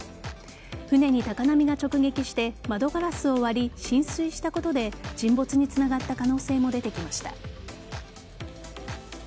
船に高波が直撃して窓ガラスを割り浸水したことで沈没につながった可能性も出てきました。